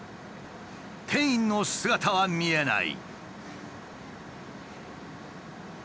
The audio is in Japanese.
店員の姿は見えない。